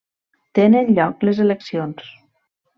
Tenen lloc les eleccions.